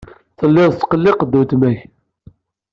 Tellid tettqelliqed weltma-k.